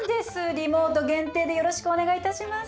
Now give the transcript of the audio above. リモート限定でよろしくお願いいたします。